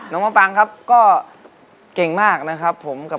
น้องมะปังครับก็เก่งมากนะครับผม